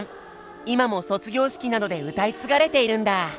今も卒業式などで歌い継がれているんだ！